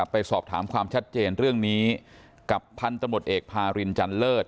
ไปสอบถามความชัดเจนเรื่องนี้กับพันธุ์ตำรวจเอกพารินจันเลิศ